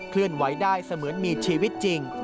เลื่อนไหวได้เสมือนมีชีวิตจริง